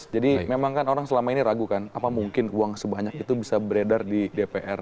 jadi memang kan orang selama ini ragukan apa mungkin uang sebanyak itu bisa beredar di dpr